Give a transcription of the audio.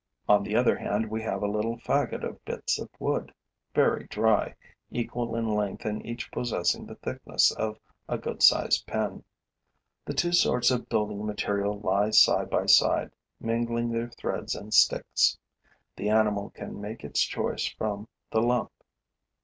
On the other hand, we have a little faggot of bits of wood, very dry, equal in length and each possessing the thickness of a good sized pin. The two sorts of building material lie side by side, mingling their threads and sticks. The animal can make its choice from the lump.